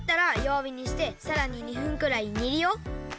わびにしてさらに２分くらいにるよ。